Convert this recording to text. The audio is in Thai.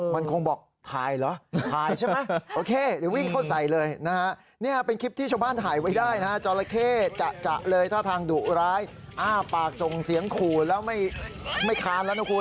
มันก็วิ่งเร็วเหมือนกันนะค่ะ